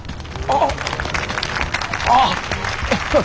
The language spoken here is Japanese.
あっ。